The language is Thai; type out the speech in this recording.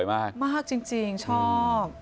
มากจริงชอบ